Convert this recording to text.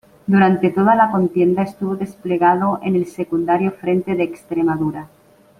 Durante toda la contienda estuvo desplegado en el secundario frente de Extremadura.